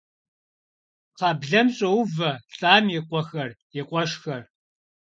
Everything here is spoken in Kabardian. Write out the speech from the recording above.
Кхъаблэм щӏоувэ лӏам и къуэхэр, и къуэшхэр.